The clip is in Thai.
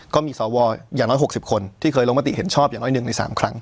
ก็มีสวอย่างน้อย๖๐คนที่เคยลงมติเห็นชอบอย่างน้อยหนึ่งใน๓ครั้ง